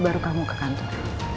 baru kamu ke kantor